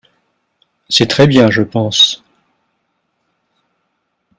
C'est très bien, je pense.